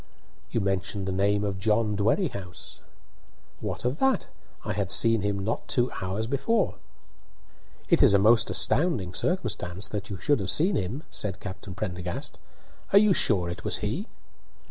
"You mentioned the name of John Dwerrihouse." "What of that? I had seen him not two hours before." "It is a most astounding circumstance that you should have seen him," said Captain Prendergast. "Are you sure it was he?"